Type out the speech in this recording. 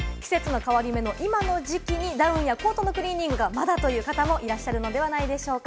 季節の変わり目の今の時期にダウンやコートのクリーニングがまだという方もいらっしゃるのではないでしょうか？